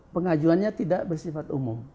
pengajuannya tidak bersifat umum